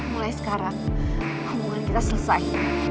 mulai sekarang kemungkinan kita selesai